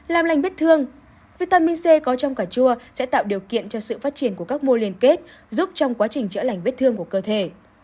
làm lành vết thương vitamin c có trong cà chua sẽ tạo điều kiện cho sự phát triển của các mô liên kết giúp trong quá trình chữa lành vết thương của cơ thể